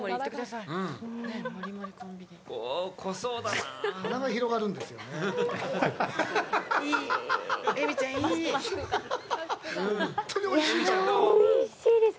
いや、おいしいです。